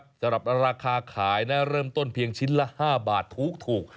สำหรับราคาขายนะเริ่มต้นเพียงชิ้นละ๕บาทถูก